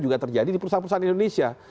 juga terjadi di perusahaan perusahaan indonesia